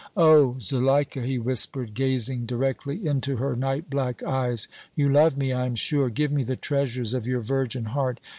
"Oh! Zuleika," he whispered, gazing directly into her night black eyes, "you love me, I am sure! Give me the treasures of your virgin heart!